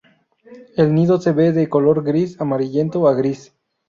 El nido se ve de color gris amarillento a gris.